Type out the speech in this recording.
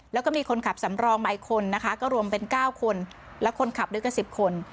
แล้วก็มีคนขับสำรองใหม่คนนะคะก็รวมเป็นเก้าคนแล้วคนขับลึกกับสิบคน